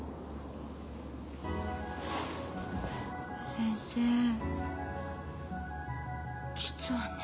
先生実はね。